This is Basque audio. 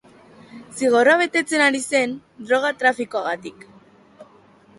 Zigorra betetzen ari zen droga trafikoagatik.